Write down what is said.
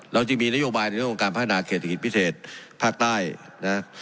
เราจึงมีนโยบายในโครงการพระธนาเกษตรศิกษฐศิกษ์พิเศษภาคใต้นะครับ